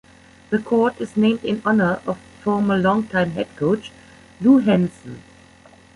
The court is named in honor of former long-time head coach Lou Henson.